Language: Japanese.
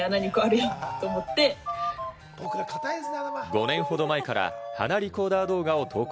５年ほど前から鼻リコーダー動画を投稿。